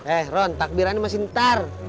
eh ron takbirannya masih ntar